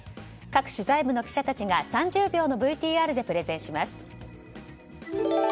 各取材部の記者たちが３０秒のＶＴＲでプレゼンします。